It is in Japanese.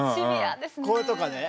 これとかね。